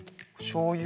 しょうゆ？